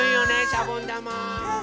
しゃぼんだま。